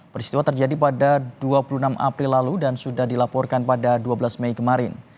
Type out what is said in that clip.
peristiwa terjadi pada dua puluh enam april lalu dan sudah dilaporkan pada dua belas mei kemarin